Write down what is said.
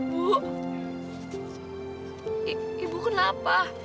bu ibu kenapa